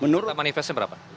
data manifestnya berapa